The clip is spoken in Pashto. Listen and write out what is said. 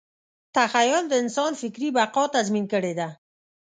تخیل د انسان فکري بقا تضمین کړې ده.